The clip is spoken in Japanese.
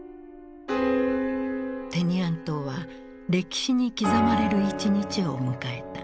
テニアン島は歴史に刻まれる一日を迎えた。